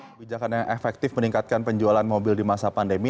kebijakan yang efektif meningkatkan penjualan mobil di masa pandemi